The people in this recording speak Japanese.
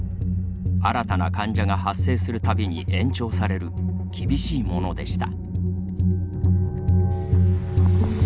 新たな患者が発生するたびに延長される厳しいものでした。